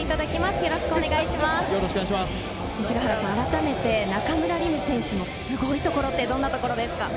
勅使川原さん、改めて中村輪夢選手のすごいところってどんなところですか？